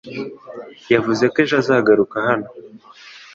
Yavuze ko ejo azagaruka hano.